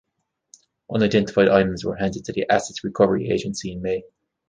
Unidentified items were handed to the Assets Recovery Agency in May.